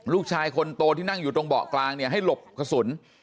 ลูกชายคนโตที่นั่งอยู่ตรงเบาะกลางเนี่ยให้หลบกระสุน